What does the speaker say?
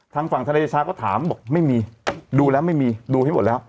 ทางฝั่งธนายเดชาก็ถามบอกไม่มีดูแล้วไม่มีดูให้หมดแล้ว